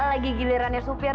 lagi gilirannya supir